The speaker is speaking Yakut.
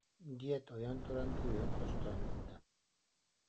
диэт, ойон туран күөһүн хостоон барда